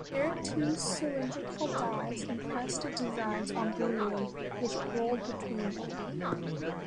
Here two cylindrical dies impressed designs on bullion which rolled between them.